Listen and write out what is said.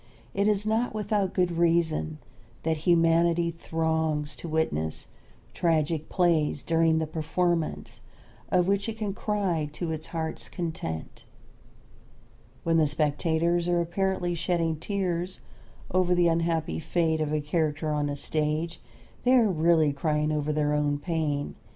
It is not without good reason that humanity throngs to witness tragic plays during the performance of which it can cry to its heart's content. When the spectators are apparently shedding tears over the unhappy fate of a character on the stage they are really crying over their own pain.